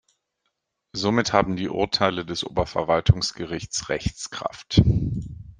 Somit haben die Urteile des Oberverwaltungsgerichts Rechtskraft.